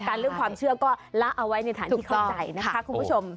เรื่องความเชื่อก็ละเอาไว้ในฐานที่เข้าใจนะคะคุณผู้ชม